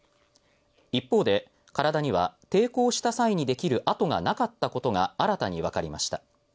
一方で、体には抵抗した際にできる跡がなかったことが新たにわかりました。